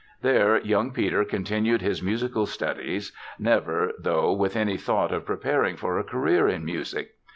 There young Peter continued his musical studies, never, though, with any thought of preparing for a career in music.